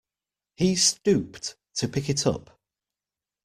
He stooped to pick it up.